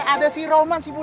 itu si perempuan papa